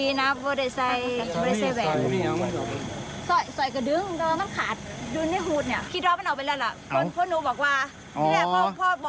พี่แหละพ่อบอกว่ามันมาได้สอยได้ซับสินเราไปซับ